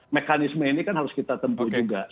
mekanisme ini kan harus kita tempuh juga